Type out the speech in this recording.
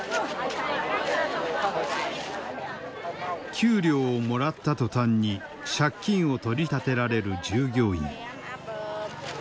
給料をもらった途端に借金を取り立てられる従業員。